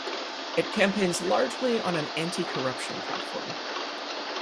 It campaigns largely on an anti-corruption platform.